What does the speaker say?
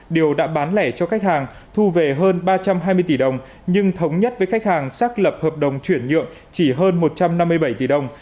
điều đã bán lẻ cho khách hàng thu về hơn ba trăm hai mươi tỷ đồng nhưng thống nhất với khách hàng xác lập hợp đồng chuyển nhượng chỉ hơn một trăm năm mươi bảy tỷ đồng